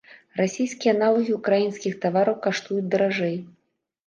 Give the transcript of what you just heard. Расійскія аналагі ўкраінскіх тавараў каштуюць даражэй.